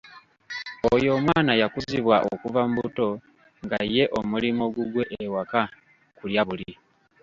Oyo omwana yakuzibwa okuva mu buto nga ye omulimu ogugwe ewaka kulya buli.